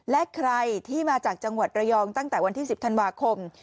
และใครที่มาจากจังหวัดระยองตั้งแต่วันที่๑๐ธันวาคม